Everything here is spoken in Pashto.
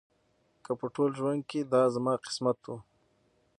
که په ټول ژوند کې دا زما قسمت و.